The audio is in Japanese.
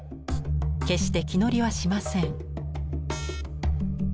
決して気乗りはしません。